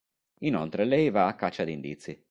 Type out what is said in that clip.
Inoltre lei va a caccia di indizi.